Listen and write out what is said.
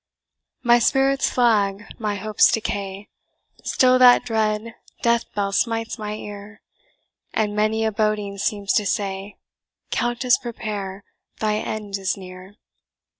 "My spirits flag my hopes decay Still that dread death bell smites my ear; And many a boding seems to say, 'Countess, prepare, thy end is near!'"